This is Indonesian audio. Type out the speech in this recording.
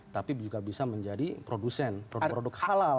tapi juga bisa menjadi produsen produk produk halal